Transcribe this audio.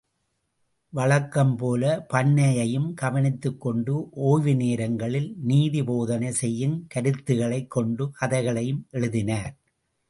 வழக்கம் போல பண்ணையையும் கவனித்துக் கொண்டு ஓய்வு நேரங்களில் நீதி போதனை செய்யும் கருத்துக்களைக் கொண்ட கதைகளையும் எழுதினார்.